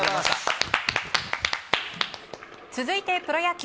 続いて、プロ野球。